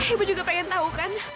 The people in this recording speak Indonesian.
ibu juga pengen tahu kan